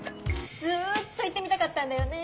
ずっと行ってみたかったんだよね。